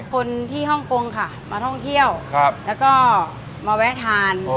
คนที่ฮ่องกงค่ะมาท่องเที่ยวแล้วก็มาแวะทาน